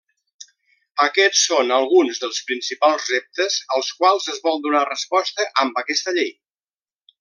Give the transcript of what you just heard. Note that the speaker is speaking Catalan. Aquests són alguns dels principals reptes als quals es vol donar resposta amb aquesta Llei.